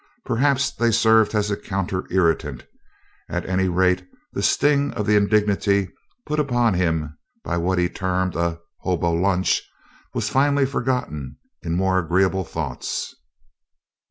Perhaps they served as a counter irritant; at any rate, the sting of the indignity put upon him by what he termed a "hobo lunch" was finally forgotten in more agreeable thoughts.